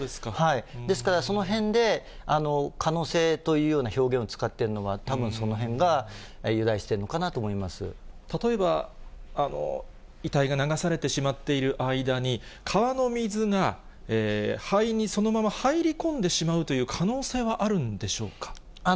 ですから、そのへんで可能性というような表現を使っているのは、たぶん、そのへんが由来してるの例えば、遺体が流されてしまっている間に、川の水が肺にそのまま入り込んでしまうという可能性はあるんでしょうか。